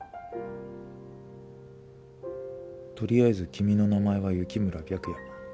とりあえず君の名前は雪村白夜。